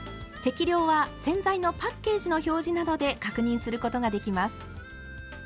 適量は洗剤のパッケージの表示などで確認することができます。